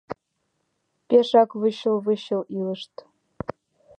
— Пешак вычыл-вычыл илышт.